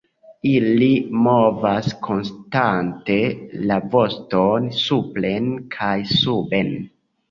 Ili movas konstante la voston supren kaj suben.